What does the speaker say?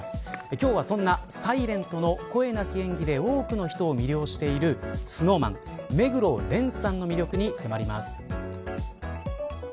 今日はそんなｓｉｌｅｎｔの声なき演技で多くの人を魅了しているＳｎｏｗＭａｎ目黒蓮さんの魅力に迫ります。